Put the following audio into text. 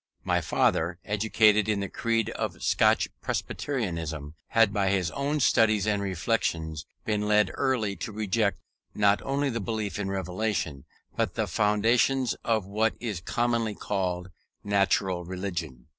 My father, educated in the creed of Scotch Presbyterianism, had by his own studies and reflections been early led to reject not only the belief in Revelation, but the foundations of what is commonly called Natural Religion.